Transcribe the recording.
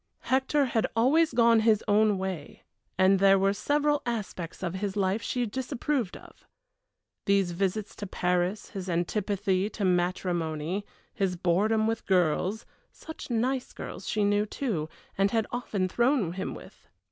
Hector had always gone his own way, and there were several aspects of his life she disapproved of. These visits to Paris his antipathy to matrimony his boredom with girls such nice girls she knew, too, and had often thrown him with!